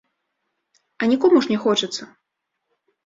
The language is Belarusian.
А нікому ж не хочацца.